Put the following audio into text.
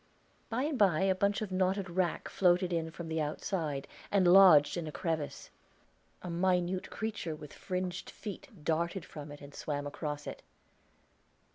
By and by a bunch of knotted wrack floated in from the outside and lodged in a crevice; a minute creature with fringed feet darted from it and swam across it.